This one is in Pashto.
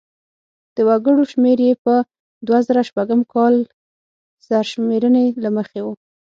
د وګړو شمېر یې په دوه زره شپږم کال سرشمېرنې له مخې و.